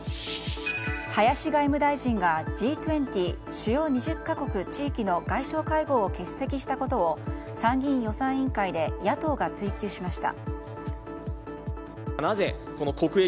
林外務大臣がＧ２０・主要２０か国・地域の外相会合を欠席したことを参議院予算委員会で野党が追及しました。